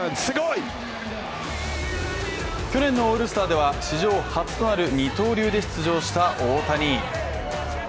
去年のオールスターでは、史上初となる二刀流で出場した大谷。